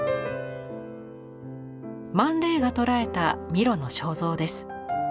マン・レイが捉えたミロの肖像です。